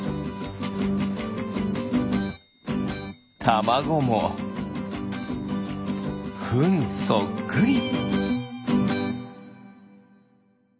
たまごもフンそっくり。